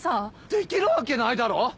できるわけないだろ！